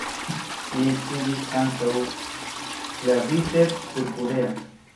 Li studis ankaŭ "Claviceps purpurea.